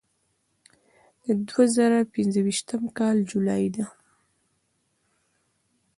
د دوه زره پنځه ویشتم کال جولای ده.